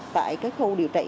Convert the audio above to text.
tại cái khu điều trị